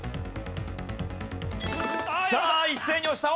さあ一斉に押した。